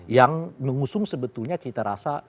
yang mengusung sebetulnya cita rasa yang ada di dalamnya